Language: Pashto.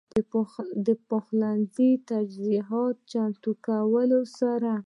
د پخلنځي تجهيزاتو چمتو کولو سره